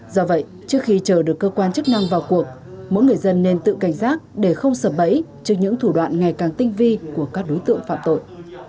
do vậy trước khi chờ được cơ quan chức năng vào cuộc mỗi người dân nên tự cảnh giác để không sợ bẫy trước những thủ đoạn ngày càng tinh vi của các đối tượng phạm tội